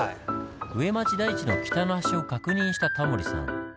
上町台地の北の端を確認したタモリさん。